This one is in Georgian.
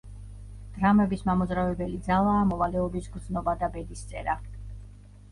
დრამების მამოძრავებელი ძალაა მოვალეობის გრძნობა და ბედისწერა.